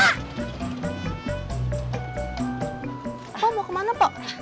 pokoknya mau kemana pok